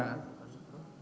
kami sudah berketetapan